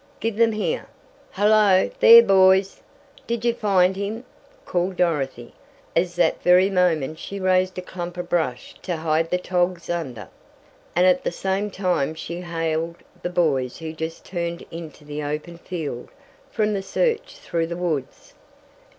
"Give them here! Hello, there boys! Did you find him?" called Dorothy, as that very moment she raised a clump of brush to hide the "togs" under, and at the same time she hailed the boys who just turned into the open field from the search through the woods.